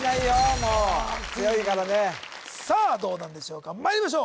もう強いからねさあどうなんでしょうかまいりましょう